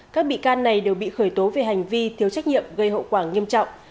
các bị can này đều bị khởi tố về hành vi thiếu trách nhiệm gây hậu quả nghiêm trọng